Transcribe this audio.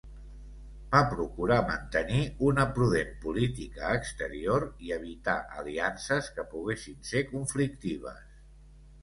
Va procurar mantenir una prudent política exterior i evitar aliances que poguessin ser conflictives.